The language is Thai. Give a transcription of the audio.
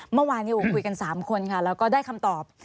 เมื่อวานนี้คุยกัน๓คนค่ะแล้วก็ได้คำตอบ